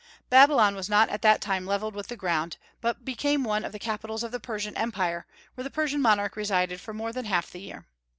Babylon was not at that time levelled with the ground, but became one of the capitals of the Persian Empire, where the Persian monarch resided for more than half the year.